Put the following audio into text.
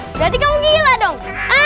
berarti kamu gila dong